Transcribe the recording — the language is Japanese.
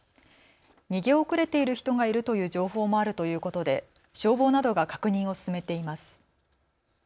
逃げ遅れている人がいるという情報もあるということで消防などが確認を進めています。